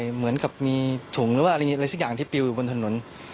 เหมือนกับมีถุงหรือว่าอะไรสักอย่างที่ปิวอยู่บนถนน